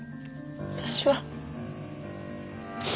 私は。